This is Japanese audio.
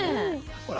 ほら。